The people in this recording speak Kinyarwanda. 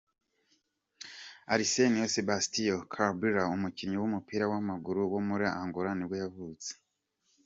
Arsénio Sebastião Cabungula, umukinnyi w’umupira w’amaguru wo muri Angola nibwo yavutse.